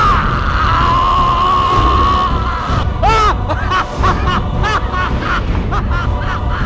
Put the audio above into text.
ini salah satu cara